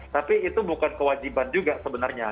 tapi itu bukan kewajiban juga sebenarnya